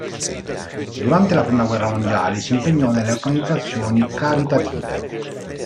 Durante la Prima guerra mondiale si impegnò nelle organizzazioni caritative.